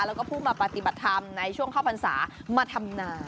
แล้วก็ผู้มาปฏิบัติธรรมในช่วงเข้าพรรษามาทำนา